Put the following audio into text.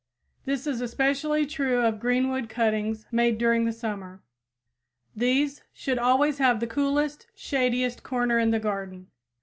This is especially true of greenwood cuttings made during the summer. These should always have the coolest, shadiest corner in the garden.